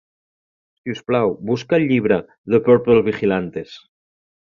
Si us plau, busca el llibre "The Purple Vigilantes".